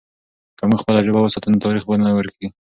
که موږ خپله ژبه وساتو، نو تاریخ به نه ورکېږي.